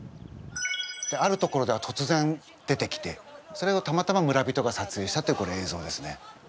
ある所ではとつぜん出てきてそれをたまたま村人が撮影したというこれ映像ですね。